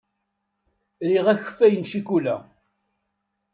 Riɣ akeffay n ccikula.